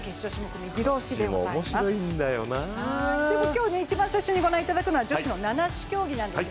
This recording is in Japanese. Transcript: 今日一番最初に御覧いただくのは女子の七種競技です。